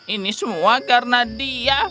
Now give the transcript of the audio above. ini semua karena dia